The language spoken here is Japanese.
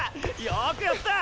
よくやった！